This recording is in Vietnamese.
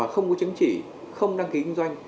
không có chứng chỉ không đăng ký kinh doanh